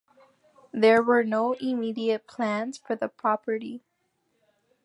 There were no immediate plans for the property.